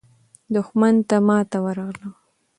دښمن ته ماته ورغله.